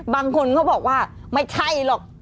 บางคนเขาบอกว่าไม่ใช่หรอก